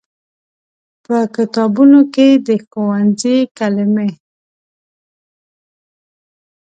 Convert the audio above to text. په کتابونو کې د ښوونځي کلمې